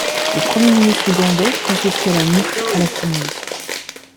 Le premier ministre ougandais confisquait la mouche à la fumeuse.